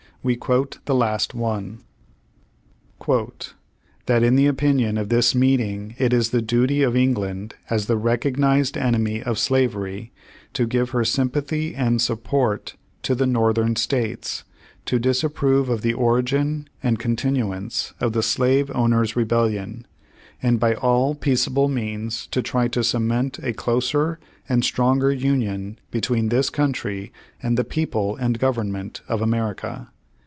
We quote the last one: "That in the opinion of this meeting it is the duty of England, as the recognized enemy of slavery, to give her sympathy and support to the Northern States, to disap prove of the origin and continuance of the slave owners' rebellion, and by all peaceable means to try to cement a closer and stronger union between this country and the people and government of America."